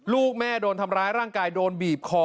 ลูกแม่โดนทำร้ายร่างกายโดนบีบคอ